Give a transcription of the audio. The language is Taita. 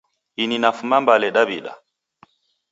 Ini nafuma Mbale Dawida